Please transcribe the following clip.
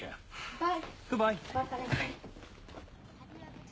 はい。